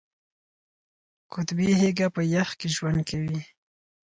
قطبي هیږه په یخ کې ژوند کوي